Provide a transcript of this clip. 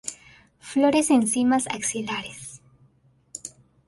Flores en cimas axilares.